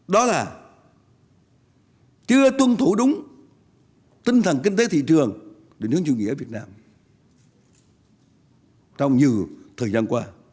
đó là chưa tuân thủ đúng tinh thần kinh tế thị trường để nướng chung nghĩa việt nam trong nhiều thời gian qua